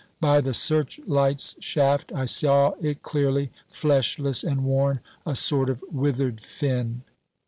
By the searchlight's shaft I saw it clearly, fleshless and worn, a sort of withered fin.